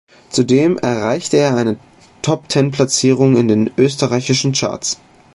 Zudem erreichte er eine Top-Ten-Platzierung in den österreichischen Charts.